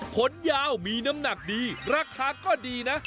ผลยาวมีน้ำหนักดีราคาก็ดีนะ